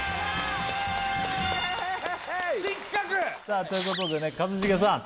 さあということでね一茂さん